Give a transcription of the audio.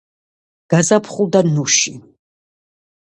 გაზაფხულდა ნუში